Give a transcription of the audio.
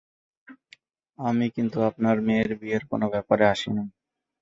আমি কিন্তু আপনার মেয়ের বিয়ের কোনো ব্যাপারে আসি নি।